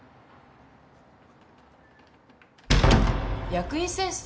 役員選出？